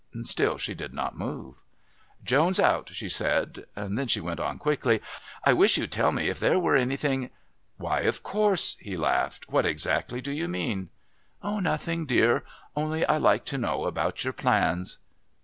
Still she did not move. "Joan's out," she said. Then she went on quickly, "I wish you'd tell me if there were anything " "Why, of course." He laughed. "What exactly do you mean?" "Nothing, dear. Only I like to know about your plans."